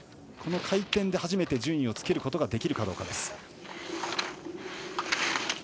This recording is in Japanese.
この回転で初めて順位をつけることができるかどうかです。